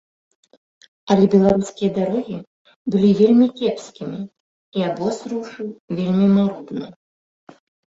Але беларускія дарогі былі вельмі кепскімі, і абоз рушыў вельмі марудна.